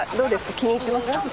気に入ってます。